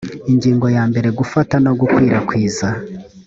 ingingo ya mbere gufata no gukwirakwiza